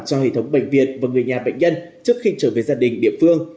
cho hệ thống bệnh viện và người nhà bệnh nhân trước khi trở về gia đình địa phương